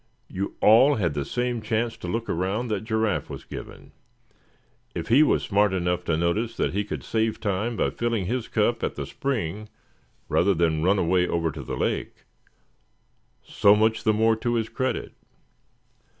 "You all had the same chance to look around that Giraffe was given. If he was smart enough to notice that he could save time by filling his cup at the spring rather than run away over to the lake, so much the more to his credit.